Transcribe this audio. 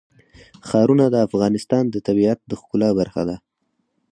ښارونه د افغانستان د طبیعت د ښکلا برخه ده.